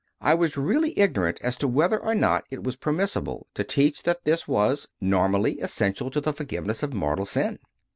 I was really ignorant as to whether or not it was per missible to teach that this was, normally, essential to the forgiveness of mortal sin.